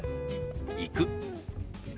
「行く」。